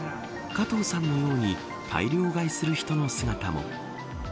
加藤さんのように大量買いする人の姿も。